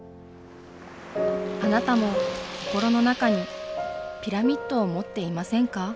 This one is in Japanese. あなたも心の中にピラミッドを持っていませんか？